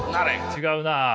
違うな。